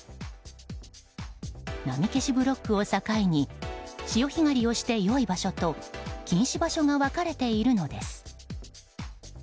波消しブロックを境に潮干狩りをしてよい場所と禁止場所が分かれているのです。